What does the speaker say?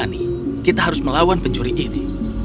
berani kita harus melawan pencuri ini